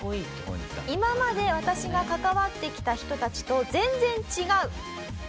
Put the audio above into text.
今まで私が関わってきた人たちと全然違う！